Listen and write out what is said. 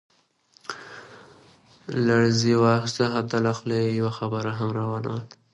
لړزې واخستو حتا له خولې يې يوه خبره هم را ونوته.